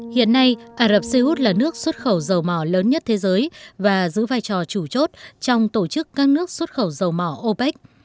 hiện nay ả rập xê út là nước xuất khẩu dầu mỏ lớn nhất thế giới và giữ vai trò chủ chốt trong tổ chức các nước xuất khẩu dầu mỏ opec